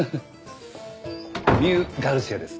ミウ・ガルシアです。